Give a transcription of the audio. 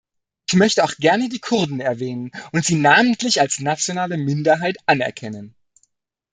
Ich möchte auch gerne die Kurden erwähnen und sie namentlich als nationale Minderheit anerkennen.